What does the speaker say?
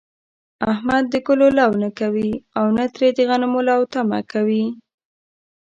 احمد د گلو لو نه کوي، او ته ترې د غنمو لو تمه کوې.